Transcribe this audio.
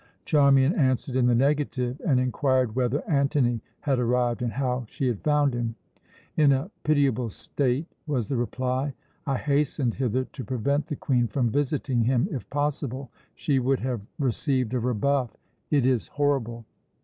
Charmian answered in the negative, and inquired whether Antony had arrived, and how she had found him. "In a pitiable state," was the reply. "I hastened hither to prevent the Queen from visiting him, if possible. She would have received a rebuff. It is horrible."